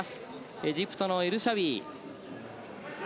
エジプトのエルシャウィ。